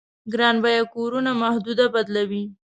ګران بيه کورونو محدوده بدلوي.